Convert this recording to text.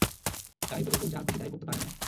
তাই বলে ও যা খুশি তাই করতে পারে না।